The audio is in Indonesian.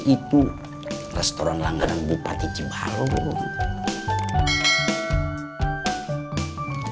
itu restoran langgaran bupati cibalong